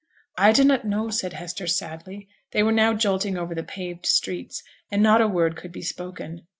'I dunnot know,' said Hester, sadly. They were now jolting over the paved streets, and not a word could be spoken.